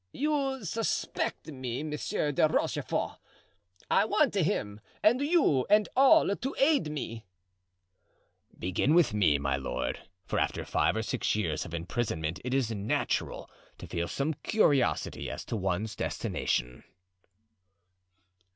"You suspect me, Monsieur de Rochefort; I want him and you and all to aid me." "Begin with me, my lord; for after five or six years of imprisonment it is natural to feel some curiosity as to one's destination."